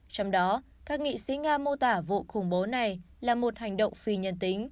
trong đó các nghị sĩ nga mô tả vụ khủng bố này là một hành động phi nhân tính